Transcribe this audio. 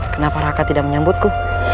kenapa raka tidak menyambutku